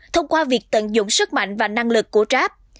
thông qua việc tận dụng sức mạnh và năng lực của grab